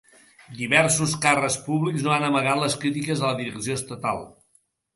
Diversos càrrecs públics no han amagat les crítiques a la direcció estatal.